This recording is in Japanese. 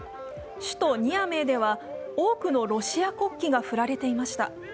首都ニアメーでは多くのロシア国旗が振られていました。